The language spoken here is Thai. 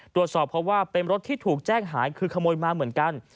ตรวจสอบเพราะว่าเป็นรถที่ถูกแจ้งหายคือขโมยมาเหมือนกัน